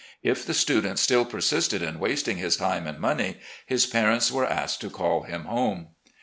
If the student still persisted in wasting his time and money, his parents were asked to call him home.